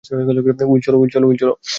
Will, চল।